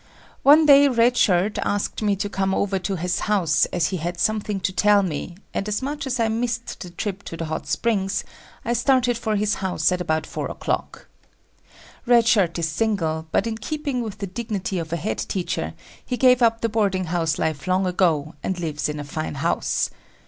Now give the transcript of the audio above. One day Red Shirt asked me to come over to his house as he had something to tell me, and much as I missed the trip to the hot springs, I started for his house at about 4 o'clock. Red Shirt is single, but in keeping with the dignity of a head teacher, he gave up the boarding house life long ago, and lives in a fine house.